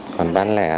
còn bán lẻ